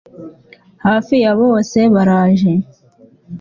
Hafi ya bose baraje